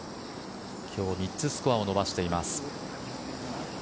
今日、３つスコアを伸ばしています。